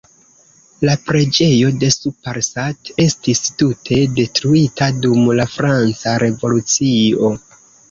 La preĝejo de Sous-Parsat estis tute detruita dum la franca revolucio.